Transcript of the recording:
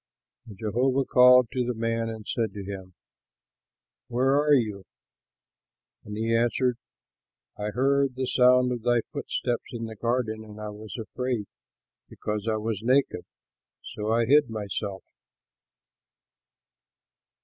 And Jehovah called to the man and said to him, "Where are you?" and he answered, "I heard the sound of thy footsteps in the garden and I was afraid, because I was naked; so I hid myself."